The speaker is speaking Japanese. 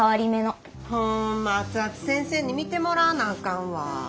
ホンマ熱々先生に診てもらわなあかんわ。